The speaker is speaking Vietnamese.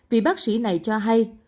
vì bác sĩ này cho hay